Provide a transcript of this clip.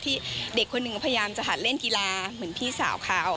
ที่เด็กคนหนึ่งก็พยายามจะหันเล่นกีฬาเหมือนพี่สาวเขา